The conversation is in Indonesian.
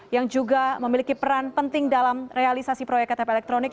yang juga memiliki peran penting dalam realisasi proyek ktp elektronik